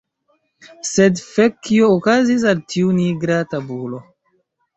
Sed, fek, kio okazis al tiu nigra tabulo?